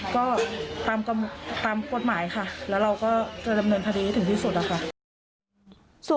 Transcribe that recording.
ก็ตามกฎหมายค่ะแล้วเราก็จะดำเนินคดีให้ถึงที่สุดนะคะ